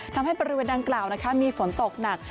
ทำให้บริเวณดังกล่าวมีฝนตกหนัก